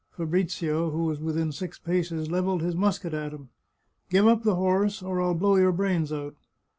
Fabrizio, who was within six paces, levelled his musket at him. " Give up the horse, or I'll blow your brains out